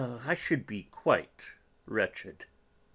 I should be quite wretched!"